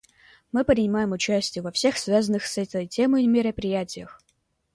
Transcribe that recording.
Мы принимаем участие во всех связанных с этой темой мероприятиях.